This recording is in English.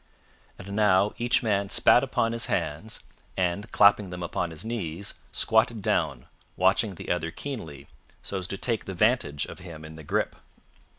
And now each man spat upon his hands and, clapping them upon his knees, squatted down, watching the other keenly, so as to take the vantage of him in the grip.